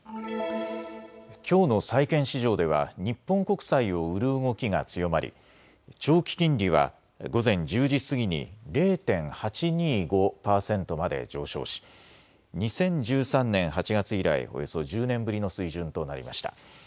きょうの債券市場では日本国債を売る動きが強まり長期金利は午前１０時過ぎに０．８２５％まで上昇し、２０１３年８月以来、およそ１０年ぶりの水準となりました。